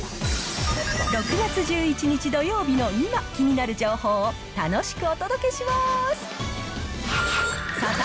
６月１１日土曜日の今、気になる情報を楽しくお届けします。